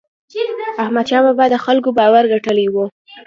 احمدشاه بابا د خلکو باور ګټلی و.